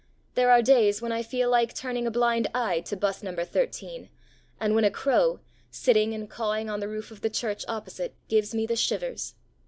There are days when I feel like turning a blind eye to 'bus number 13, and when a crow, sitting and cawing on the roof of the church opposite, gives me the shivers.